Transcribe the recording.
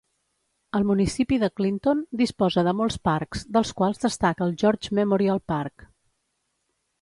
El municipi de Clinton disposa de molts parcs, dels quals destaca el George Memorial Park.